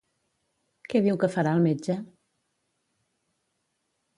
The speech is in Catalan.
Què diu que farà el metge?